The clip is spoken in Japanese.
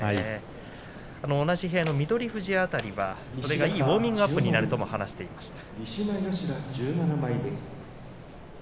同じ部屋の翠富士辺りはこれがいいウオーミングアップになると話していました。